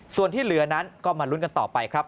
ส่วนที่เหลือนั้นก็มาลุ้นกันต่อไปครับ